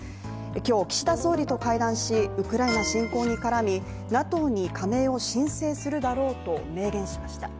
今日岸田総理と会談し、ウクライナ侵攻に絡み、ＮＡＴＯに加盟を申請するだろうと明言しました。